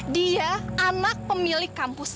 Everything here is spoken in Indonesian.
dia anak pemilik kampus